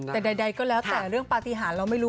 แต่ใดก็แล้วแต่เรื่องปฏิหารเราไม่รู้